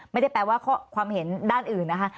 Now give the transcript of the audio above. ไม่ได้แปลว่าความเห็นด้านอื่นนะคะ